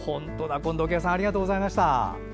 近藤慶さんありがとうございました。